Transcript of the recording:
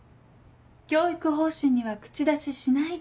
教育方針には口出ししない。